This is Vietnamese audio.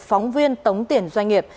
phóng viên tống tiền doanh nghiệp